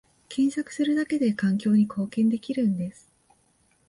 検索するだけで環境に貢献できるんです